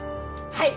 はい！